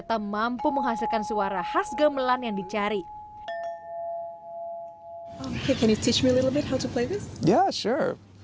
dan kamu mendapatkan suara yang baik yang resonan